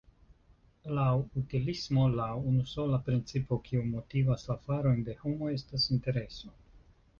Laŭ utilismo la unusola principo kiu motivas la farojn de homoj estas intereso.